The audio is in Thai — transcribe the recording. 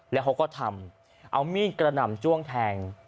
แล้วเขาก็ทำเอามีดกระหน่ำจ้วงแทง